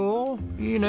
いいね。